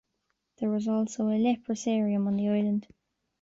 There was also a leprosarium on the island.